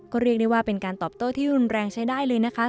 ก็เรียกได้ว่าเป็นการตอบโต้ที่รุนแรงใช้ได้เลยนะคะ